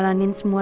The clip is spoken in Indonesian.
ini yang sama